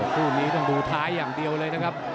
คู่นี้ต้องดูท้ายอย่างเดียวเลยนะครับ